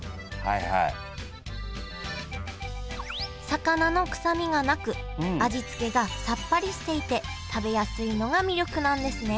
魚の臭みがなく味付けがさっぱりしていて食べやすいのが魅力なんですね